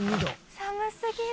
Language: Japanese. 寒すぎる。